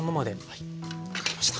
はい分かりました。